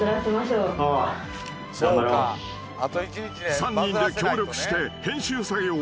［３人で協力して編集作業を進める］